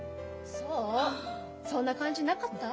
そんな感じなかった？